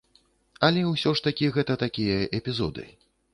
Але ўсё ж такі гэта такія эпізоды.